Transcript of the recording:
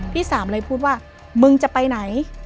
พี่สามเลยพูดว่ามึงจะไปไหน